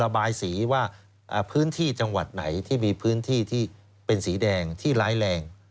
ระบายสีว่าพื้นที่จังหวัดไหนที่มีพื้นที่ที่เป็นสีแดงที่ร้ายแรง